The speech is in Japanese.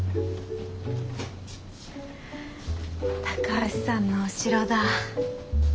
高橋さんのお城だ。